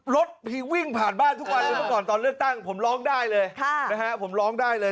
รถวิ่งผ่านบ้านทุกวันเลยตอนเลือกตั้งผมร้องได้เลย